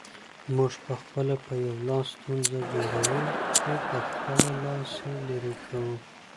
موږ پخپله په یو لاس ستونزه جوړوو، خو په بل لاس یې لیري کوو